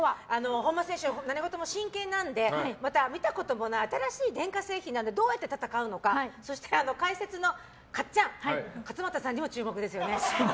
本間選手、何事も真剣なのでまた見たことのない新しい電化製品なのでどうやって戦うのかそして解説のかっちゃん勝俣さんにも注目ですよね。